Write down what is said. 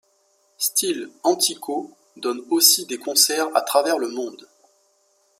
Stile Antico donne aussi des concerts à travers le monde.